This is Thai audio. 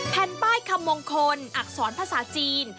แผ่นป้ายคำมงคลอักษรภาษาจีน